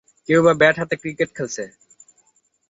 কেউবা bat হাতে cricket খেলছে।